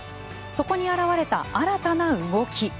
そこに現れた新たな動き。